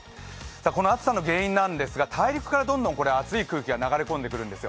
この暑さの原因なんですが、大陸からどんどん暑い空気が流れ込んでくるんです。